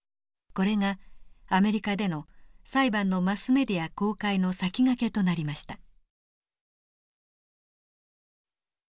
これがアメリカでの裁判のマスメディア公開の先駆けとなりました。